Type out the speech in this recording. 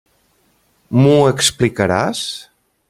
M'ho explicaràs?